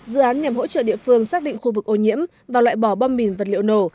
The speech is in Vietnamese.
dự án nhằm hỗ trợ địa phương xác định khu vực ô nhiễm và loại bỏ bom mìn vật liệu nổ